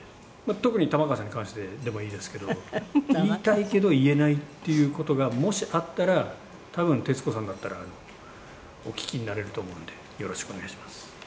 「特に玉川さんに関してでもいいですけど言いたいけど言えないっていう事がもしあったら多分徹子さんだったらお聞きになれると思うんでよろしくお願いします」